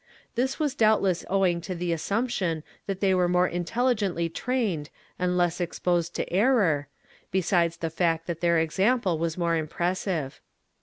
^ This was doubtless owing to the assump tion that they were more intelHgently trained and less exposed to error, besides the fact that their example was more impressive.